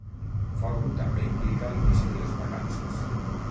Fòrum també implica l'inici de les vacances.